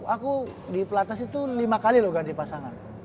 aku di pelatas itu lima kali loh ganti pasangan